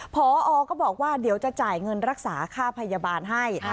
พอก็บอกว่าเดี๋ยวจะจ่ายเงินรักษาค่าพยาบาลให้